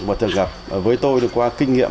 và thường gặp với tôi được qua kinh nghiệm